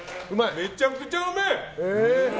めちゃくちゃうめえ！